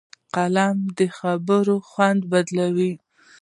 قلم د خبرو خوند بدلوي